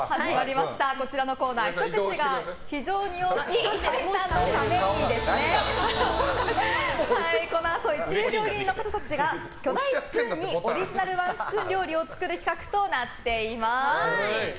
こちらのコーナーひと口が大きい岩井さんのためにこのあと一流料理人の方たちが巨大スプーンにオリジナルワンスプーン料理を作る企画となっています。